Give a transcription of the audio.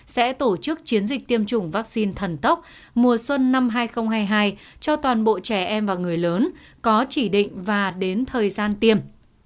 sẽ tổ chức chiến dịch tiêm chủng vaccine thần tốc mùa xuân năm hai nghìn hai mươi hai cho toàn bộ trẻ em và người lớn có chỉ định và đến thời gian tiêm